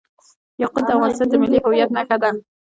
یاقوت د افغانستان د ملي هویت نښه ده.